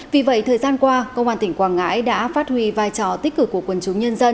vì vậy thời gian qua công an tỉnh quảng ngãi đã phát huy vai trò tích cực của quân chúng nhân dân